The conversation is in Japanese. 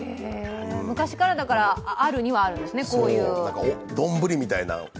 昔からあるにはあるんですね。